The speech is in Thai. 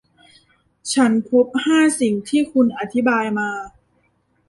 ฉันพบห้าสิ่งที่คุณอธิบายมา